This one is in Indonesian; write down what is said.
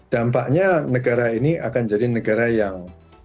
dampaknya negara ini akan jadi negara yang